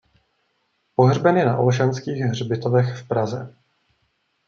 Pohřben je na Olšanských hřbitovech v Praze.